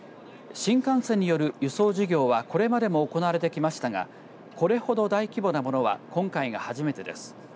新幹線による輸送事業はこれまでも行われてきましたがこれほど大規模なものは今回が初めてです。